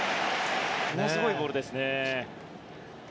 ものすごいボールですね。